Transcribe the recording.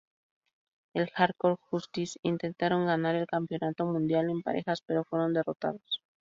En "Hardcore Justice", intentaron ganar el Campeonato Mundial en Parejas, pero fueron derrotados.